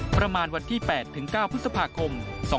ประมาณวันที่๘ถึง๙พฤษภาคม๒๕๖